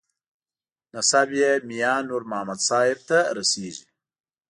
نسب یې میانور محمد صاحب ته رسېږي.